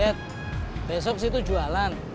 dad besok situ jualan